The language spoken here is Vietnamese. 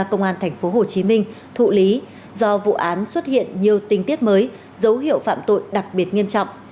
công an tp hcm thụ lý do vụ án xuất hiện nhiều tình tiết mới dấu hiệu phạm tội đặc biệt nghiêm trọng